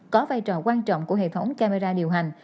có vai trò quan trọng của hệ thống camera điều hành